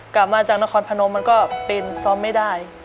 กลับมาจากนครพนมมันก็เป็นซ้อมไม่ได้